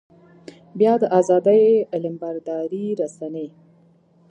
بيا د ازادۍ علمبردارې رسنۍ.